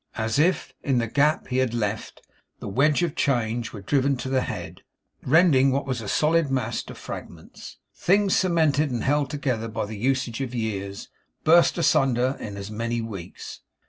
As if, in the gap he had left, the wedge of change were driven to the head, rending what was a solid mass to fragments, things cemented and held together by the usages of years, burst asunder in as many weeks.